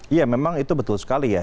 iya memang itu betul sekali ya